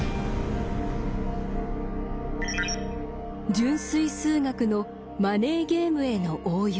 純粋数学のマネーゲームへの応用。